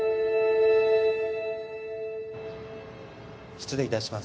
失礼いたします・